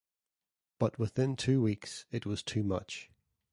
But within two weeks it was too much.